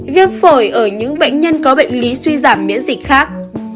viêm phổi ở những bệnh nhân có bệnh lý suy giảm miễn dịch khác